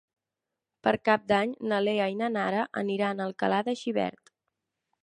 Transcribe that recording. Per Cap d'Any na Lea i na Nara aniran a Alcalà de Xivert.